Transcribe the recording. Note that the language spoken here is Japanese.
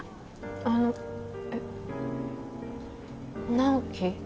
あのえっ直木？